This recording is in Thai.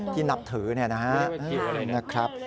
ที่นับถือนะครับ